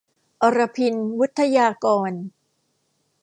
อรพิณ วุฑฒยากร